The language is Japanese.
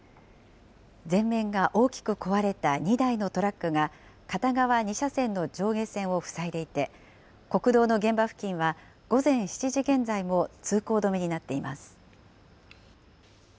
前面が大きく壊れた２台のトラックが片側２車線の上下線を塞いでいて、国道の現場付近は午前７時現在も通行止めになっています。